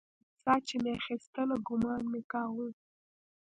ساه چې مې اخيستله ګومان مې کاوه.